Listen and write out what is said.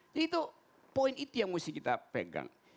jadi itu poin itu yang mesti kita pegang